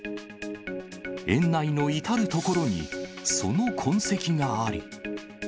園内の至る所にその痕跡があり。